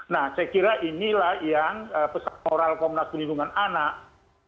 nah saya kira inilah yang pesan moral komnas perlindungan anak